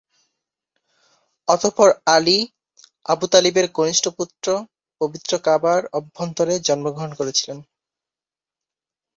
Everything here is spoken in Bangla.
অতঃপর আলী, আবু তালিবের কনিষ্ঠ পুত্র পবিত্র কাবার অভ্যন্তরে জন্মগ্রহণ করেছিলেন।